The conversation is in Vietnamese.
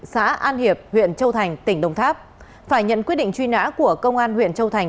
xã an hiệp huyện châu thành tỉnh đồng tháp phải nhận quyết định truy nã của công an huyện châu thành